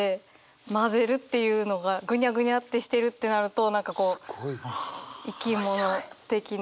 混ぜるっていうのがぐにゃぐにゃってしてるってなると何かこう生き物的な。